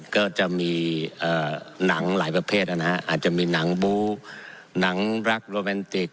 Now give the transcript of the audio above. ก็จะมีหนังหลายประเภทนะฮะอาจจะมีหนังบู๊หนังรักโรแมนติก